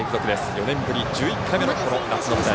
４年ぶり１１回目の夏の甲子園。